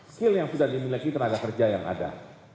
skill yang sudah dimiliki tenaga kerja yang ada